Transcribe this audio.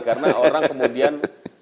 karena orang kemudian